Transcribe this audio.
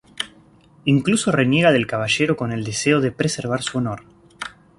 Incluso reniega del caballero con el deseo de preservar su honor.